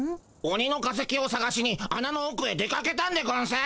オニの化石をさがしにあなのおくへ出かけたんでゴンス。